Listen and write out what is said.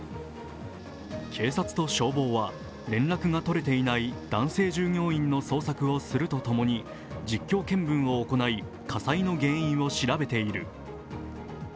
警察と消防は連絡が取れていない男性従業員の捜索をするとともに実況見分を行い、火災の原因を調べている。